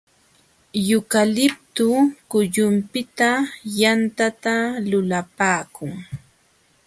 Yukaliptu kullupiqta yantata lulapaakun.